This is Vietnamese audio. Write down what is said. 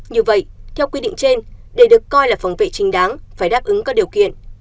như vậy theo quy định trên để được coi là phòng vệ trình đáng phải đáp ứng các điều kiện